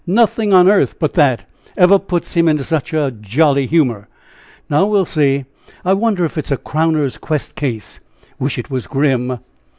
Nothing on earth but that ever puts him into such a jolly humor. Now we'll see! I wonder if it is a 'crowner's 'quest' case? Wish it was Grim."